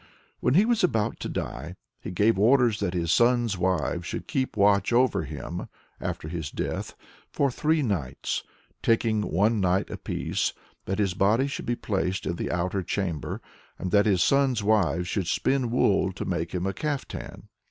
When he was about to die, he gave orders that his sons' wives should keep watch over him [after his death] for three nights, taking one night apiece; that his body should be placed in the outer chamber, and that his sons' wives should spin wool to make him a caftan.